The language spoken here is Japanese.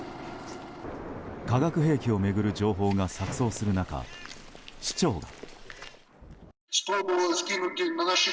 化学兵器を巡る情報が錯綜する中、市長が。